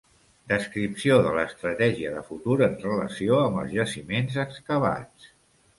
Descripció de l'estratègia de futur en relació amb els jaciments excavats.